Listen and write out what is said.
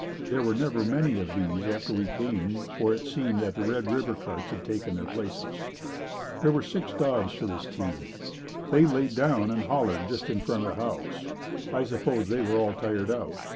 There were never many of these after we came for it seemed that the Red River carts had taken their places. There were six dogs to this team. They laid down and hollered just in front of the house. I suppose they were all tired out.